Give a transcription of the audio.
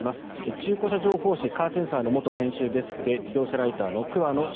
中古車情報誌「カーセンサー」の元編集デスクで自動車ライターの桑野将